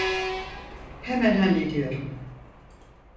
Hemen hallediyorum.